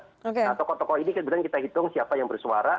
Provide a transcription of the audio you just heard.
nah tokoh tokoh ini kebetulan kita hitung siapa yang bersuara